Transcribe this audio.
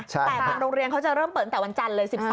แต่บางโรงเรียนเขาจะเริ่มเปิดตั้งแต่วันจันทร์เลย๑๓